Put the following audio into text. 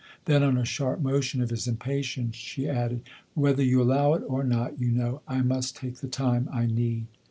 Then on a sharp motion of his impatience she added :" Whether you allow it or not, you know, I must take the time I need."